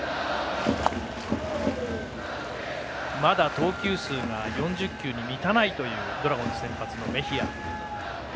まだ投球数が４０球に満たないというドラゴンズ先発のメヒア。